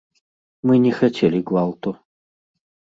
Мы не хацелі гвалту.